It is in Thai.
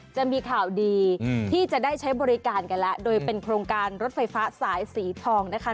จะมีข่าวดีที่จะได้ใช้บริการกันแล้วโดยเป็นโครงการรถไฟฟ้าสายสีทองนะคะ